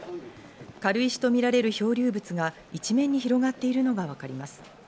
軽石とみられる漂流物が一面に広がっているのが分かります。